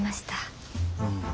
うん。